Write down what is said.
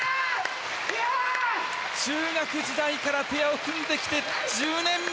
中学時代からペアを組んできて１０年目！